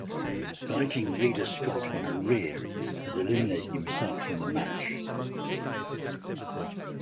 Biting Veda Scott on her rear and eliminating himself from the match.